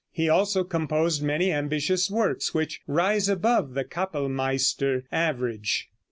He also composed many ambitious works, which rise above the capellmeister average.